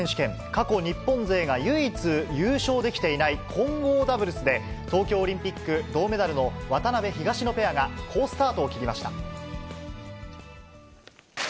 過去、日本勢が唯一優勝できていない混合ダブルスで、東京オリンピック銅メダルの渡辺・東野ペアが好スタートを切りました。